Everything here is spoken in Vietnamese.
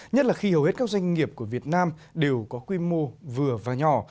nhất là khi hầu hết các doanh nghiệp của việt nam đều có quy mô vừa và nhỏ